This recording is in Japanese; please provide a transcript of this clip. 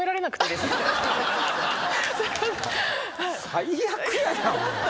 最悪やな。